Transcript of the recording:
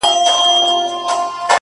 • ویل خدایه تا ویل زه دي پالمه ,